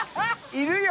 いるよ！